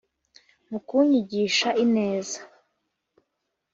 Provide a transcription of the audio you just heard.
mu kunyigisha ineza